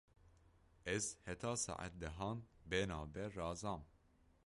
Ez heta saet dehan bênavber razam.